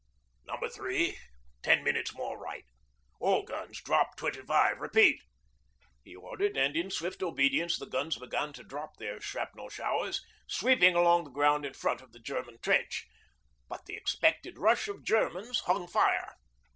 'Number three, ten minutes more right all guns, drop twenty five repeat,' he ordered, and in swift obedience the guns began to drop their shrapnel showers, sweeping along the ground in front of the German trench. But the expected rush of Germans hung fire.